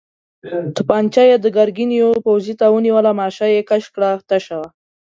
توپانجه يې د ګرګين يوه پوځي ته ونيوله، ماشه يې کش کړه، تشه وه.